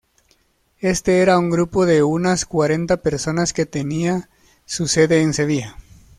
Este era un grupo de unas cuarenta personas que tenía su sede en Sevilla.